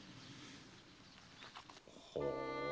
ほう！